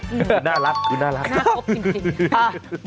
คือน่ารักคือน่ารักน่าครบจริง